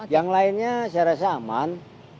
yang lainnya saya rasa aman